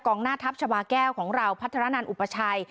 ด้านทัพชวาแก้วของเราพัฒนานาอุปชัย